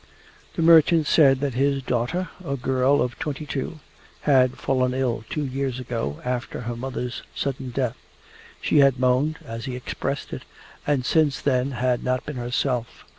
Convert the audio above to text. The merchant said that his daughter, a girl of twenty two, had fallen ill two years ago, after her mother's sudden death. She had moaned (as he expressed it) and since then had not been herself.